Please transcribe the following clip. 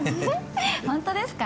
本当ですか。